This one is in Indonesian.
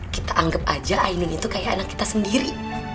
kita anggap aja ainun itu kayak anak kita sendiri